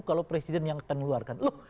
kalau presiden yang akan keluarkan